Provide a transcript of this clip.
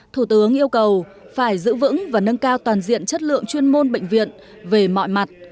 thủ tướng yêu cầu phải giữ vững và nâng cao toàn diện chất lượng chuyên môn bệnh viện về mọi mặt